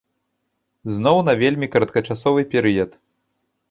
Зноў на вельмі кароткачасовы перыяд.